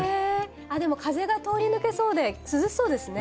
でも風が通り抜けそうで涼しそうですね。